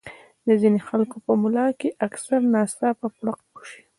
د ځينې خلکو پۀ ملا کښې اکثر ناڅاپه پړق اوشي